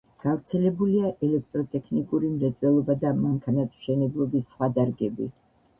გავრცელებულია ელექტროტექნიკური მრეწველობა და მანქანათმშენებლობის სხვა დარგები.